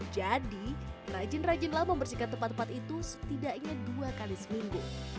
jadi rajin rajinlah membersihkan tempat tempat itu setidaknya dua kali seminggu